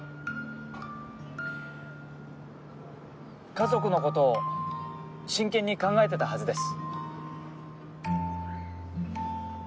家族の事を真剣に考えてたはずです。